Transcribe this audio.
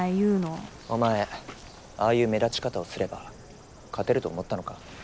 お前ああいう目立ち方をすれば勝てると思ったのか？